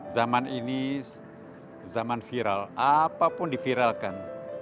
zaman ini zaman viral apapun diviralkan